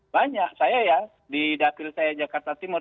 banyak saya ya di dapil saya jakarta timur